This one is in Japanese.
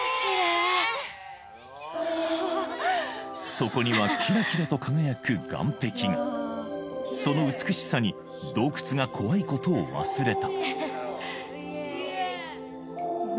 そこにはキラキラと輝く岩壁がその美しさに洞窟が怖いことを忘れた